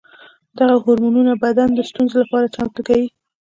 دغه هورمونونه بدن د ستونزو لپاره چمتو کوي.